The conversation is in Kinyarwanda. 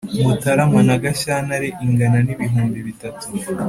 mutarama na gashyantare, ingana n’ibihumbi bitatu